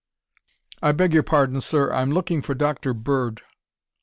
_"] "I beg your pardon, sir. I'm looking for Dr. Bird."